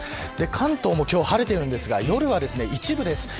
関東も今日晴れているんですが夜は一部です。